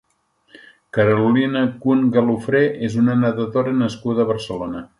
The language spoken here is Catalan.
Carolina Kun Galofré és una nedadora nascuda a Barcelona.